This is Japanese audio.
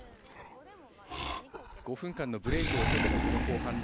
５分間のブレークを経てのこの後半